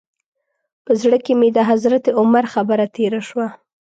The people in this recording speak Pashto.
په زړه کې مې د حضرت عمر خبره تېره شوه.